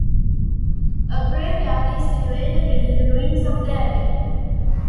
A graveyard is situated within the ruins of the Abbey.